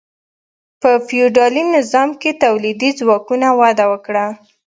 په فیوډالي نظام کې تولیدي ځواکونو وده وکړه.